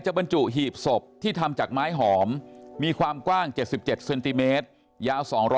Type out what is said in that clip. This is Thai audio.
บรรจุหีบศพที่ทำจากไม้หอมมีความกว้าง๗๗เซนติเมตรยาว๒๐๐